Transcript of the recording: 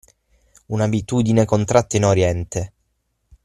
Un'abitudine contratta in Oriente.